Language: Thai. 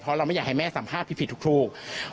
เพราะเราไม่อยากให้แม่สัมภาษณ์ผิดถูก